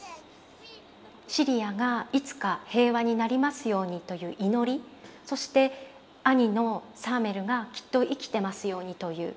シリアがいつか平和になりますようにという祈りそして兄のサーメルがきっと生きてますようにという希望。